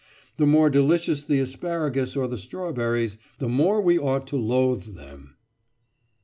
The more delicious the asparagus or the strawberries, the more we ought to loathe them.